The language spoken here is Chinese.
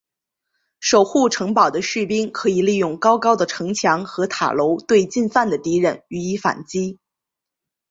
守护城堡的士兵可以利用高高的城墙和塔楼对进犯的敌人予以反击。